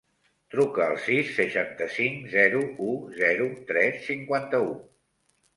Truca al sis, seixanta-cinc, zero, u, zero, tres, cinquanta-u.